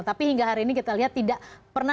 tapi hingga hari ini kita lihat tidak pernah